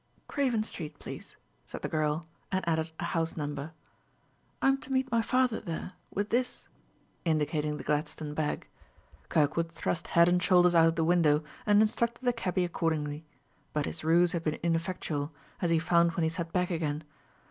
"Craven Street, please," said the girl, and added a house number. "I am to meet my father there, with this," indicating the gladstone bag. Kirkwood thrust head and shoulders out the window and instructed the cabby accordingly; but his ruse had been ineffectual, as he found when he sat back again.